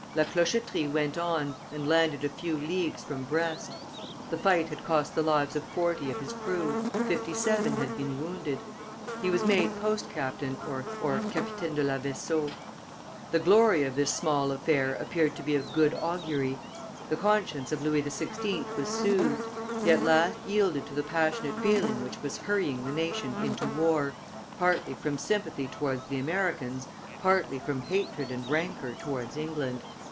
La Clochetterie went on and landed a few leagues from Brest. The fight had cost the lives of forty of his crew, fifty seven had been wounded. He was made postcaptain (capitaine de vaisseau). The glory of this small affair appeared to be of good augury; the conscience of Louis XVI. was soothed; he at last yielded to the passionate feeling which was hurrying the nation into war, partly from sympathy towards the Americans, partly from hatred and rancor towards England.